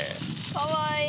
かわいい！